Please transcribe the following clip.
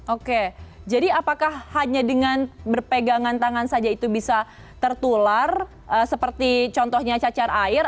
oke jadi apakah hanya dengan berpegangan tangan saja itu bisa tertular seperti contohnya cacar air